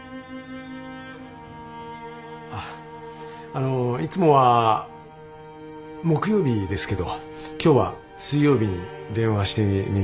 あのいつもは木曜日ですけど今日は水曜日に電話してみました。